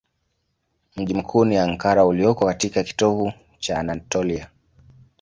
Mji mkuu ni Ankara ulioko katika kitovu cha Anatolia.